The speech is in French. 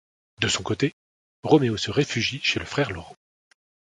De son côté, Roméo se réfugie chez le Frère Laurent.